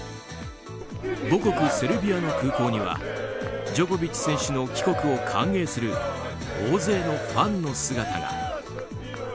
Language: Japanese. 母国セルビアの空港にはジョコビッチ選手の帰国を歓迎する大勢のファンの姿が。